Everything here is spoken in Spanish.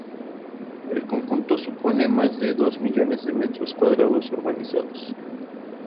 El conjunto supone más de dos millones de metros cuadrados urbanizados.